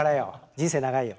人生長いよ。